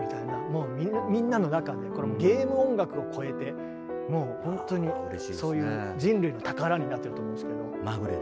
もうみんなの中でこれはもうゲーム音楽をこえてもうほんとにそういう人類の宝になってると思うんですけど。